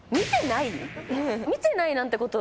見てないなんてこと。